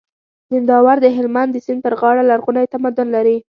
زينداور د هلمند د سيند پر غاړه لرغونی تمدن لري